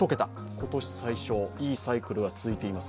今年最少、いいサイクルが続いています。